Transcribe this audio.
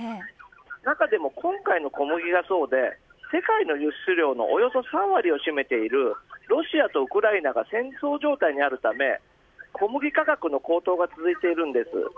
中でも、今回の小麦がそうで世界の輸出量のおよそ３割を占めているロシアとウクライナが戦争状態にあるため小麦価格の高騰が続いているんです。